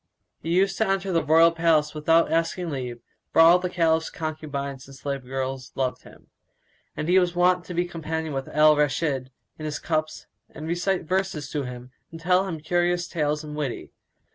He used to enter the royal palace without asking leave, for all the Caliph's concubines and slave girls loved him, and he was wont to be companion with Al Rashid in his cups and recite verses to him and tell him curious tales and witty.